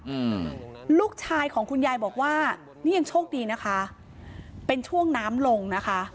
อืมลูกชายของคุณยายบอกว่านี่ยังโชคดีนะคะเป็นช่วงน้ำลงนะคะ